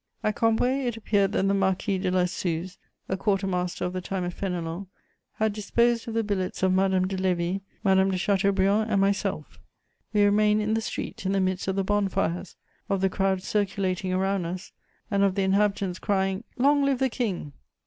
At Cambrai it appeared that the Marquis de La Suze, a quarter master of the time of Fénelon, had disposed of the billets of Madame de Lévis, Madame de Chateaubriand and myself. We remained in the street, in the midst of the bon fires, of the crowd circulating around us, and of the inhabitants crying, "Long live the King!"